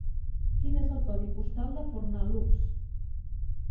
Quin és el codi postal de Fornalutx?